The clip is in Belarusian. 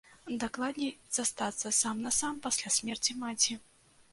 Дакладней, застацца сам-насам пасля смерці маці.